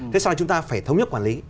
thế sao là chúng ta phải thống nhất quản lý